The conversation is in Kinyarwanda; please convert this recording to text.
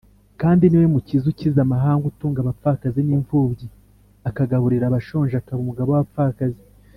kandi ni we Mukiza ukiza amahanga utunga abapfakazi n’imfubyi akagaburira abashonje akaba umugabo w’abapfakazi.